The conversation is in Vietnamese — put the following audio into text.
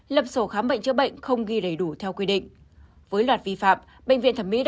lập sổ khám bệnh chữa bệnh không ghi đầy đủ theo quy định